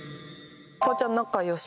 フワちゃん仲良し？